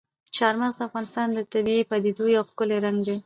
چار مغز د افغانستان د طبیعي پدیدو یو ښکلی رنګ دی.